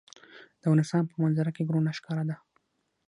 د افغانستان په منظره کې غرونه ښکاره ده.